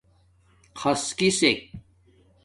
خص کسک